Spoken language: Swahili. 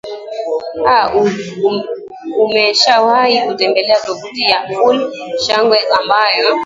a umeshawahi kutembelea tovuti ya full shangwe ambayo